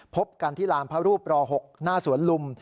พบกันที่ลานพระรูปร๖หน้าสวนลุม